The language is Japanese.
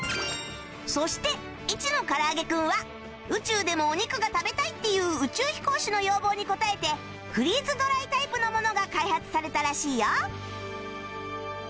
そして１のからあげクンは宇宙でもお肉が食べたいっていう宇宙飛行士の要望に応えてフリーズドライタイプのものが開発されたらしいよ